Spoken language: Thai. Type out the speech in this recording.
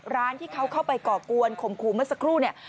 ร้านที่เขาเข้าไปก่อกวนข่มขู่เมื่อสักครู่เนี่ย